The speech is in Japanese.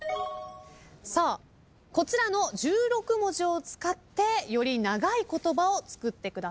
さあこちらの１６文字を使ってより長い言葉を作ってください。